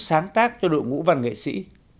sáng tác cho đội ngũ văn nghệ sĩ